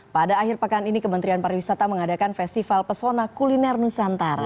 pada akhir pekan ini kementerian pariwisata mengadakan festival pesona kuliner nusantara